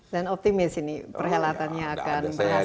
dan optimis ini perhelatannya akan berhasil